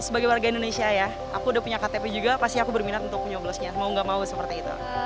sebagai warga indonesia ya aku udah punya ktp juga pasti aku berminat untuk nyoblosnya mau gak mau seperti itu